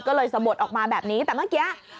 ก็เลยสะบดออกมาแบบนี้แต่เมื่อกี้